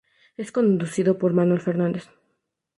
Es conducido por Manuel Fernández.